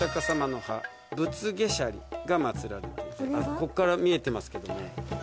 こっから見えてますけども。